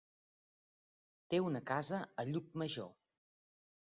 Té una casa a Llucmajor.